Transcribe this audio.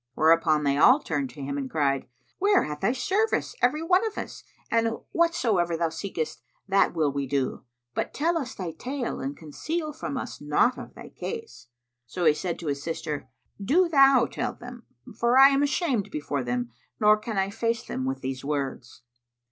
Whereupon they all turned to him and cried, "We are at thy service every one of us and whatsoever thou seekest that will we do: but tell us thy tale and conceal from us naught of thy case." So he said to his sister, "Do thou tell them, for I am ashamed before them nor can I face them with these words."